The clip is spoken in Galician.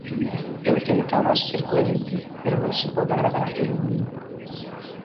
Eu tentaba ser coherente, pero non se pode agradar a todo o mundo.